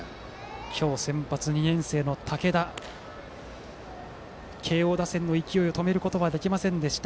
今日先発した２年生の竹田は慶応打線の勢いを止めることはできませんでした。